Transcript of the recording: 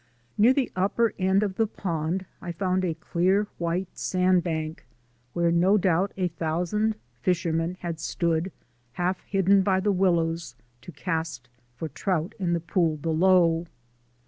Near the upper end of the pond I found a clear white sand bank, where no doubt a thousand fishermen had stood, half hidden by the willows, to cast for trout in the pool below.